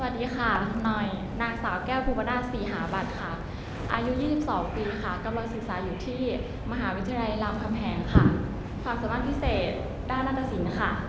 ตัวประจำนี้เดี๋ยวไทย